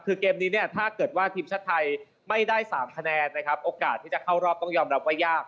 คือเกมนี้เนี่ยถ้าเกิดว่าทีมชาติไทยไม่ได้๓คะแนนนะครับโอกาสที่จะเข้ารอบต้องยอมรับว่ายาก